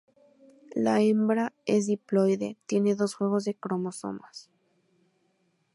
La hembra es diploide, tiene dos juegos de cromosomas.